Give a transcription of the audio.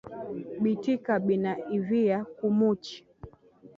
Bitika binaiviya ku muchi